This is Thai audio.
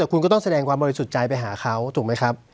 คุณก็ต้องแสดงความบริสุทธิ์ใจไปหาเขาถูกไหมครับ